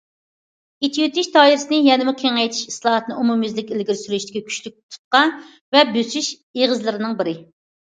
ئېچىۋېتىش دائىرىسىنى يەنىمۇ كېڭەيتىش ئىسلاھاتنى ئومۇميۈزلۈك ئىلگىرى سۈرۈشتىكى كۈچلۈك تۇتقا ۋە بۆسۈش ئېغىزلىرىنىڭ بىرى.